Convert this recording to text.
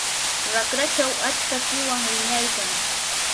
raqrachaw achka qiwan wiñaykan.